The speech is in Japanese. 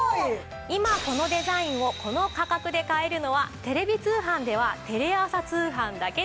今このデザインをこの価格で買えるのはテレビ通販ではテレ朝通販だけです。